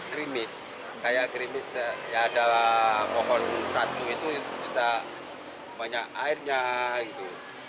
gerimis kayak grimis ya ada pohon satu itu bisa banyak airnya gitu